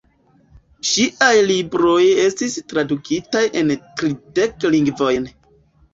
Ŝiaj libroj estis tradukitaj en tridek lingvojn.